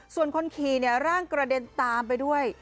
ส่วนคนขี่ร่างกระเด็นตามไปด้วย